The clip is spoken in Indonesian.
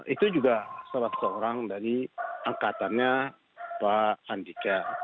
itu juga salah seorang dari angkatannya pak andika